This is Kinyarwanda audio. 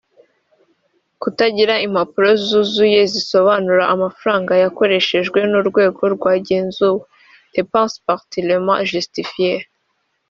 Kutagira impapuro zuzuye zisobanura amafaranga yakoreshejwe n’urwego rwagenzuwe (Dépenses partiellement justifiées);